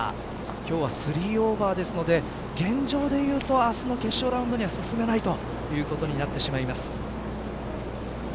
今日は３オーバーですので現状で言うとあすの決勝ラウンドには進めないということになってしまいます。